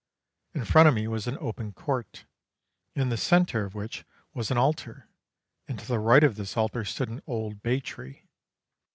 In front of me was an open court, in the centre of which was an altar, and to the right of this altar stood an old bay tree.